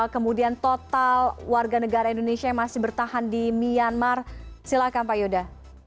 kemudian total warga negara indonesia yang masih bertahan di myanmar silakan pak yuda